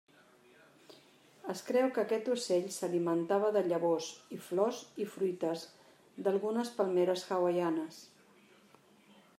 Es creu que aquest ocell s'alimentava de llavors i flors i fruites d'algunes palmeres hawaianes.